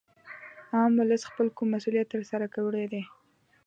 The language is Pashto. عام ولس خپل کوم مسولیت تر سره کړی دی